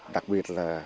đặc biệt là